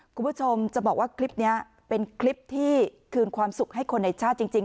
คุณผู้ชมจะบอกว่าคลิปนี้เป็นคลิปที่คืนความสุขให้คนในชาติจริง